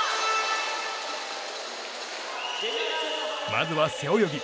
まずは背泳ぎ。